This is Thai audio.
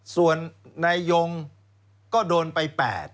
ส่วนนายยงก็โดนไป๘